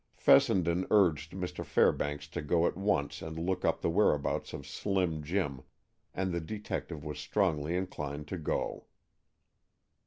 Fessenden urged Mr. Fairbanks to go at once and look up the whereabouts of Slim Jim, and the detective was strongly inclined to go.